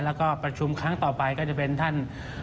แล้วก็ประชุมครั้งต่อไปก็จะเป็นท่าน